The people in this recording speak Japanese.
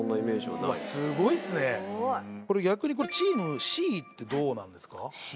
すごいっすねこれ逆にチームＣってどうなんですか？